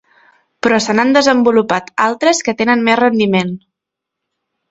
Però se n'han desenvolupat altres que tenen més rendiment.